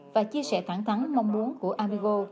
và chia sẻ thẳng thắng mong muốn của amigo